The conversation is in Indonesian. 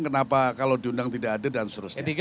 kenapa kalau diundang tidak ada dan seterusnya